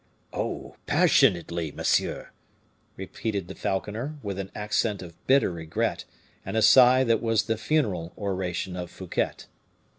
"Oh, passionately, monsieur!" repeated the falconer, with an accent of bitter regret and a sigh that was the funeral oration of Fouquet.